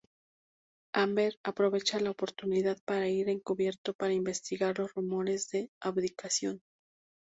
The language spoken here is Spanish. Amber aprovecha la oportunidad para ir encubierto para investigar los rumores de abdicación.